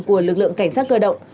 của lực lượng cảnh sát cơ động